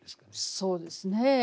そうですね